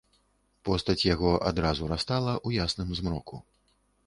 Постаць яго адразу растала ў ясным змроку.